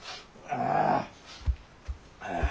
ああ。